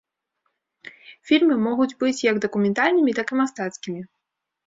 Фільмы могуць быць як дакументальнымі, так і мастацкімі.